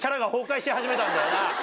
し始めたんだよな。